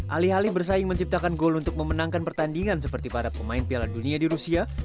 alih alih bersaing menciptakan gol untuk memenangkan pertandingan seperti para pemain piala dunia di rusia